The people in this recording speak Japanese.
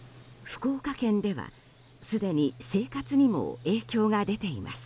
福岡県では、すでに生活にも影響が出ています。